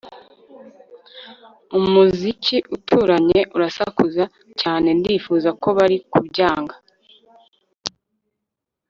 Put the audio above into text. Umuziki uturanye urasakuza cyane Ndifuza ko bari kubyanga